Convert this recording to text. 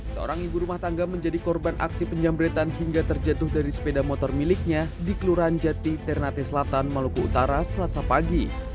seorang ibu rumah tangga menjadi korban aksi penjambretan hingga terjatuh dari sepeda motor miliknya di kelurahan jati ternate selatan maluku utara selasa pagi